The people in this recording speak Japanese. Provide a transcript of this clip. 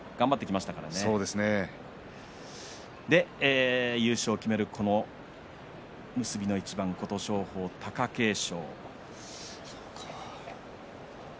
そして優勝を決める結びの一番琴勝峰と貴景勝。